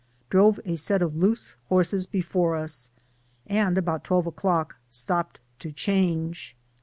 Drove a set of loose horses before us, and^ about twelve o^clock, stopped to change.